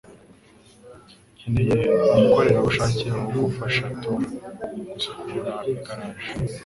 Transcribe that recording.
Nkeneye umukorerabushake wo gufasha Tom gusukura igaraje.